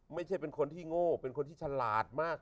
ไม่ใช่เป็นคนที่โง่เป็นคนที่ฉลาดมาก